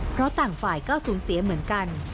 เพราะต่างฝ่ายก็สูญเสียเหมือนกัน